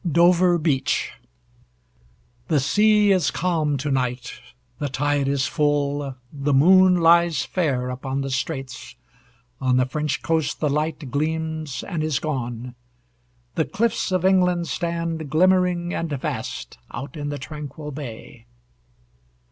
DOVER BEACH The sea is calm to night. The tide is full, the moon lies fair Upon the straits; on the French coast the light Gleams and is gone; the cliffs of England stand, Glimmering and vast, out in the tranquil bay.